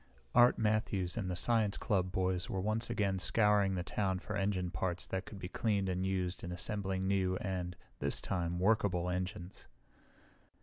Art Matthews and the science club boys were once again scouring the town for engine parts that could be cleaned and used in assembling new and, this time, workable engines.